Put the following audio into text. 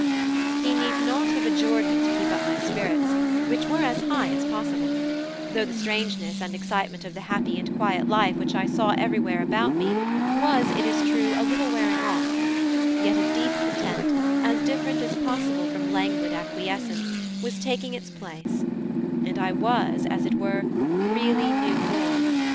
He need not have adjured me to keep up my spirits, which were as high as possible; though the strangeness and excitement of the happy and quiet life which I saw everywhere around me was, it is true, a little wearing off, yet a deep content, as different as possible from languid acquiescence, was taking its place, and I was, as it were, really new born.